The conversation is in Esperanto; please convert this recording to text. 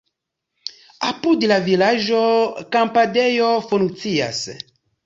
Apud la vilaĝo kampadejo funkcias.